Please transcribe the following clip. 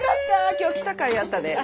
今日来たかいあったね。